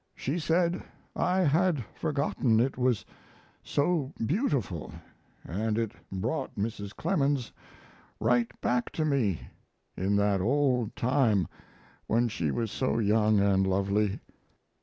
She said, "I had forgotten it was so beautiful, and it brought Mrs. Clemens right back to me in that old time when she was so young and lovely."